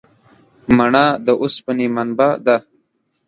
مڼه د اوسپنې منبع ده.